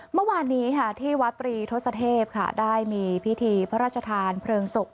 เมื่อวานนี้ค่ะที่วัดตรีทศเทพค่ะได้มีพิธีพระราชทานเพลิงศพ